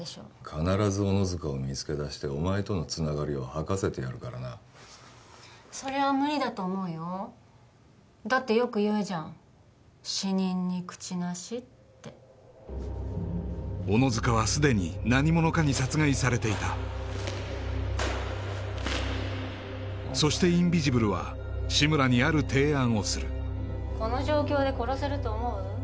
必ず小野塚を見つけ出してお前とのつながりを吐かせてやるからなそれは無理だと思うよだってよく言うじゃん死人に口なしって小野塚は既に何者かに殺害されていたそしてインビジブルは志村にある提案をするこの状況で殺せると思う？